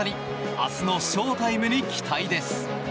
明日のショータイムに期待です。